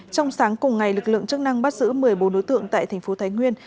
trong sáng cùng ngày lực lượng chức năng bắt giữ một mươi bốn đối tượng tại thành phố thái nguyên